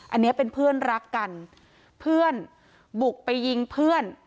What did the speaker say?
อันนี้เป็นเพื่อนรักกันเพื่อนบุกไปยิงเพื่อน